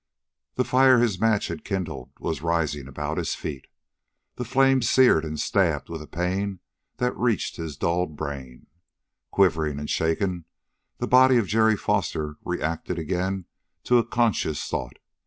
The fire his match had kindled was rising about his feet. The flames seared and stabbed with a pain that reached his dulled brain. Quivering and shaken, the body of Jerry Foster reacted again to a conscious thought.